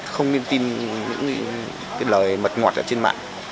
không nên tin những lời mật ngọt trên mạng